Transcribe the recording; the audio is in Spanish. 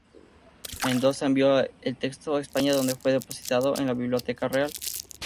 Mendoza envió el texto a España, donde fue depositado en la biblioteca real.